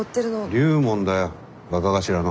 龍門だよ若頭の。